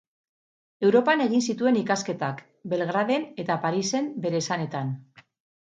Europan egin zituen ikasketak, Belgraden eta Parisen bere esanetan.